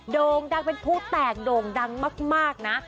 โด่งดังเป็นผู้แตกโด่งดังมากนะ